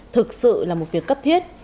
thực sự là một việc cấp thiết